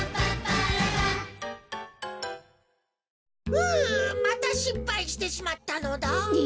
うんまたしっぱいしてしまったのだ。え！？